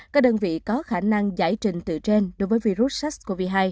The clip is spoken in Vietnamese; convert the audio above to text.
các đơn vị có khả năng giải trình tự trên đối với virus sars cov hai